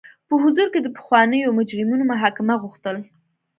په حضور کې د پخوانیو مجرمینو محاکمه غوښتل.